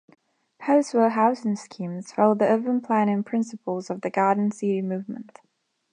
Post-war housing schemes followed the urban planning principles of the garden city movement.